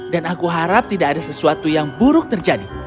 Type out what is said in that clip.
dan aku harap tidak ada sesuatu yang buruk terjadi